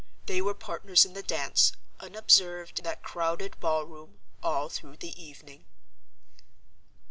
They were partners in the dance (unobserved in that crowded ball room) all through the evening.